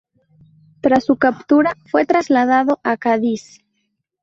Tras su captura fue trasladado a Cádiz.